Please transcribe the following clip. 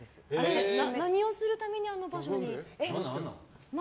何をするためにあの場所に？